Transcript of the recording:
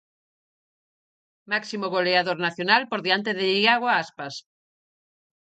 Máximo goleador nacional por diante de Iago Aspas.